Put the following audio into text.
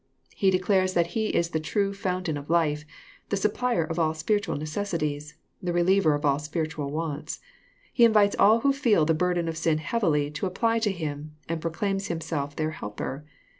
He declares that He is the true foun tain of life, the supplier of all spiritual necessTties, the re liever of all spiritual wants. He invites all who feel the burden of sin heavy, to apply to Him, and proclaims Him self their helper.